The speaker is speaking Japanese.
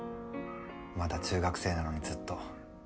まだ中学生なのにずっと。